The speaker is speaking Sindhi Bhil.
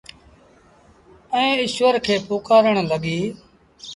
ائيٚݩ ايٚشور کي پُڪآرڻ لڳيٚ۔